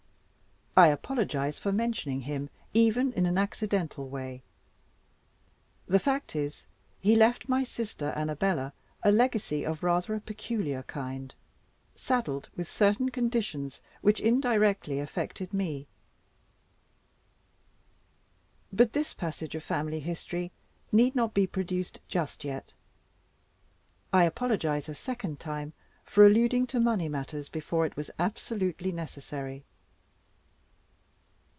I apologize for mentioning him, even in an accidental way. The fact is, he left my sister, Annabella, a legacy of rather a peculiar kind, saddled with certain conditions which indirectly affected me; but this passage of family history need not be produced just yet. I apologize a second time for alluding to money matters before it was absolutely necessary.